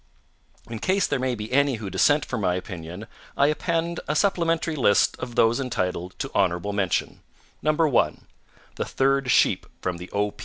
In case there may be any who dissent from my opinion, I append a supplementary list of those entitled to honorable mention: 1. The third sheep from the O.